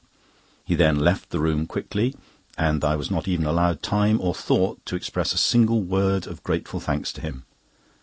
He then left the room quickly, and I was not even allowed time or thought to express a single word of grateful thanks to him.